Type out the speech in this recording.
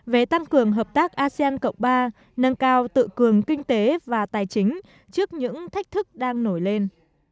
về tăng cường hợp tác asean cộng ba nâng cao tự cường kinh tế và tài chính trước những thách thức đang nổi lên